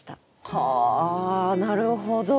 はあなるほど。